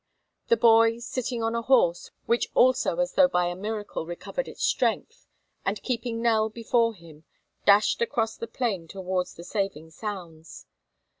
The boy, sitting on a horse, which also as though by a miracle recovered its strength, and keeping Nell before him, dashed across the plain towards the saving sounds.